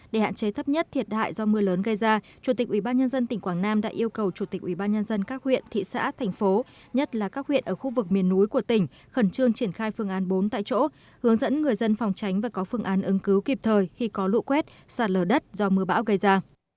để hạn chế thấp nhất thiệt hại do mưa lớn gây ra chủ tịch ubnd tỉnh quảng nam đã yêu cầu chủ tịch ubnd các huyện thị xã thành phố nhất là các huyện ở khu vực miền núi của tỉnh khẩn trương triển khai phương án bốn tại chỗ hướng dẫn người dân phòng tránh và có phương án ứng cứu kịp thời khi có lũ quét sạt lở đất do mưa bão gây ra